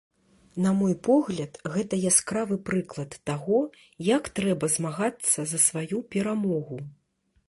На мой погляд, гэта яскравы прыклад таго, як трэба змагацца за сваю перамогу.